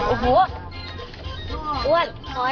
โอ้โฮอ้วนอ้อย